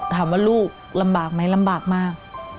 ลูกลำบากไหมลำบากมาก